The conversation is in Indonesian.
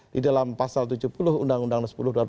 di dalam pasal tujuh puluh undang undang sepuluh dua ribu